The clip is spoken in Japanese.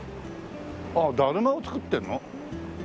ああだるまを作ってんの？